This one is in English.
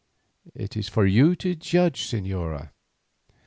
"It is for you to judge, señora."